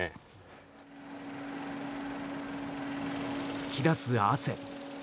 噴き出す汗。